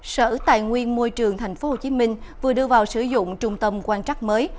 sở tài nguyên môi trường tp hcm vừa đưa vào sử dụng trung tâm quan trắc mới